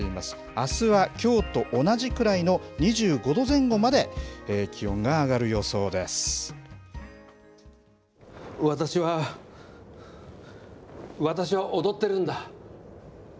あすはきょうと同じくらいの２５度前後まで私は、私は踊っているんだ。